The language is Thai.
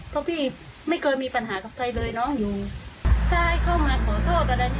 คือพ่อแม่ถ้าเป็นผู้นั้นจริงเขาต้องมาตรงนี้ก่อน